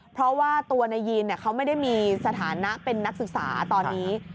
เพราะว่าตัวนายยีนเขาไม่ได้มีสถานะเป็นนักศึกษาตอนนี้